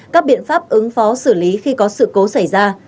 các biện pháp ứng phó xử lý khi có sự cố xảy ra